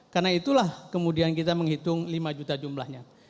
karena itulah kemudian kita menghitung lima juta jumlahnya